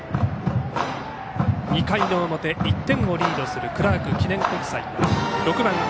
２回の表、１点をリードするクラーク記念国際は６番